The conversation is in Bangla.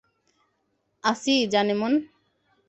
আসি, জানেমান।